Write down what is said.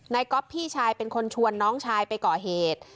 ก๊อฟพี่ชายเป็นคนชวนน้องชายไปก่อเหตุ